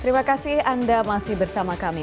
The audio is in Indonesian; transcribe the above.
terima kasih anda masih bersama kami